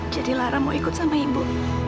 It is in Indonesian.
jadi lara mau ikut sama ibu